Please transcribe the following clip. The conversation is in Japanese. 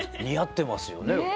似合ってますよね。